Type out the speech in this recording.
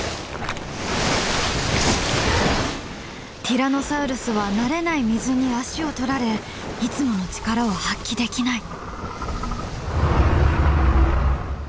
ティラノサウルスは慣れない水に足を取られいつもの力を発揮できない。